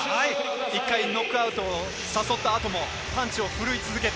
１回ノックアウトを誘ったあともパンチを振るい続けた。